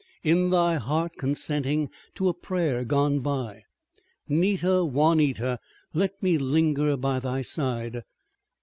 In thy heart consenting to a prayer gone by! 'Nita, Juanita! Let me linger by thy side!